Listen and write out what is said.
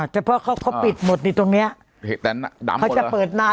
แต่เพราะเขาเขาปิดหมดในตรงเนี้ยเห็นแต่ดำเขาจะเปิดหน้า